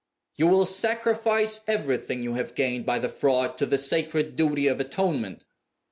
"You will sacrifice everything you have gained by the fraud to the sacred duty of atonement?